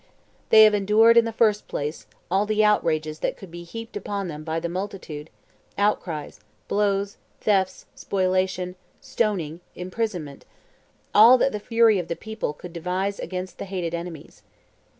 They have endured, in the first place, all the outrages that could be heaped upon them by the multitude, outcries, blows, thefts, spoliation, stoning, imprisonment, all that the fury of the people could devise against hated enemies.